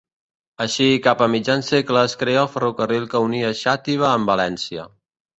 Així cap a mitjan segle es crea el ferrocarril que unia Xàtiva amb València.